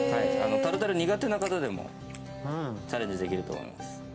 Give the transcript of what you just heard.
タルタル苦手な方でもチャレンジできると思います。